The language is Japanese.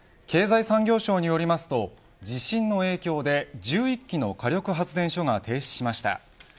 経済産業省によりますと地震の影響で１１機の火力発電所が停止しました。